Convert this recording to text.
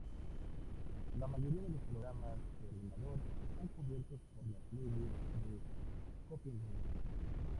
La mayoría de los programas de ordenador están cubiertos por las leyes del copyright.